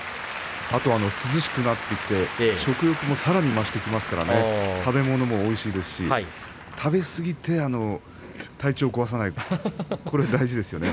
涼しくなってきて食欲もさらに増してきますから食べ物もおいしいし食べ過ぎて体調を壊さないようにそれが大事です。